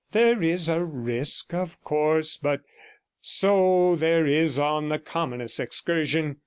There is a risk, of course, but so there is on the commonest excursion.